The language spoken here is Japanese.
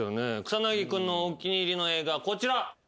草薙君のお気に入りの映画こちら。